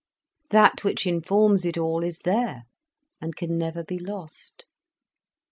That which informs it all is there, and can never be lost.